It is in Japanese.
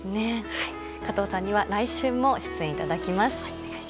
加藤さんには来週も出演いただきます。